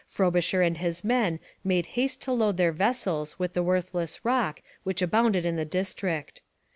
Frobisher and his men made haste to load their vessels with the worthless rock which abounded in the district.